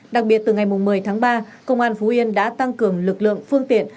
đặc biệt từ ngày một mươi tháng ba công an phú yên đã tăng cường lực lượng phương tiện